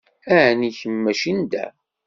Ɛni kemm mačči n da?